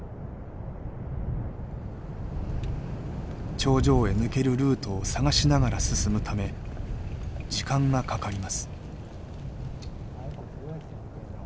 頂上へ抜けるルートを探しながら進むため時間がかかります。